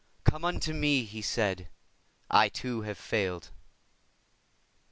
Come unto Me,' He said; 'I, too, have failed.